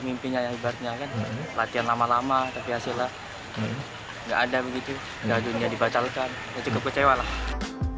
mimpinya hebatnya kan latihan lama lama tapi hasilnya enggak ada begitu jadinya dibatalkan